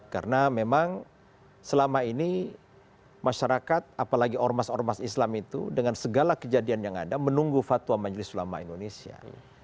karena memang selama ini masyarakat apalagi ormas ormas islam itu dengan segala kejadian yang ada menunggu fatwa majelis ulama indonesia